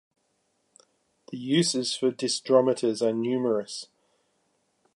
The uses for disdrometers are numerous.